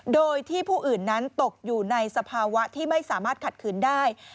โดยที่ผู้อื่นนั้นตกอยู่ในสภาวะที่ไม่สามารถขัดขืนได้